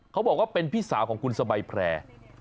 เขาบอกว่าเป็นพี่สาวของคุณสบายแพร่